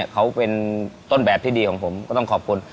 เขาเป็นต้นแบบที่ดีของผมก็ต้องขอบคุณ